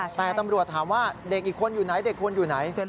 แต่ตำรวจถามว่าเด็กอีกคนอยู่ไหน